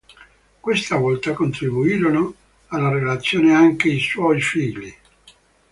Questa volta contribuirono alla realizzazione anche i suoi figli.